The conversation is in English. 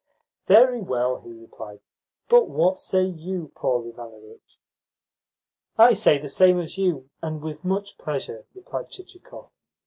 "Very well," he replied. "But what say YOU, Paul Ivanovitch?" "I say the same as you, and with much pleasure," replied Chichikov.